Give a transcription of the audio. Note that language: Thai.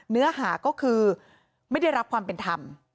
เนื้อหาก็คือไม่ได้รับความเป็นธรรม